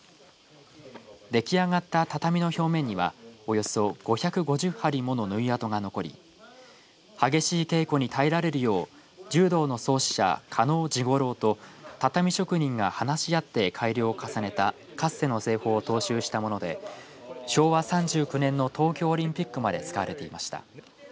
出来上がった畳の表面にはおよそ５５０針もの縫い跡が残り激しい稽古に耐えられるように柔道の創始者嘉納治五郎と畳職人が話し合って改良を重ねたかつての製法を踏襲したもので昭和３９年の東京オリンピックまで使われていました。